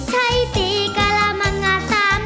ใช้สีกะละมังงาสาม